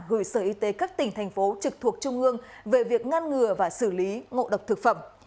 gửi sở y tế các tỉnh thành phố trực thuộc trung ương về việc ngăn ngừa và xử lý ngộ độc thực phẩm